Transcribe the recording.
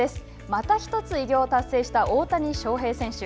また一つ、偉業を達成した大谷翔平選手。